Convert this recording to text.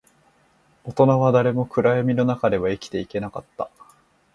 大人は誰も暗闇の中では生きていけなかった